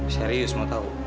serius mau tau